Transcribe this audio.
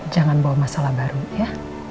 jangan bawa masalah baru ya